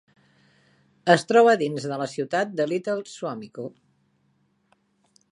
Es troba dins de la ciutat de Little Suamico.